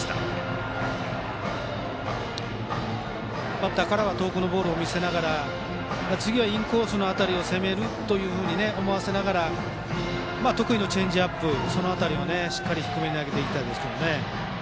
バッターからは遠くのボールを見せながら次はインコースの辺りを攻めると思わせながら得意のチェンジアップその辺りを低めに投げていきたいですね。